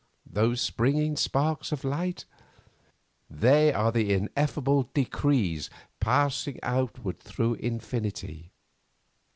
Those springing sparks of light? They are the ineffable Decrees passing outward through infinity.